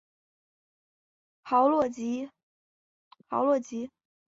豪洛吉。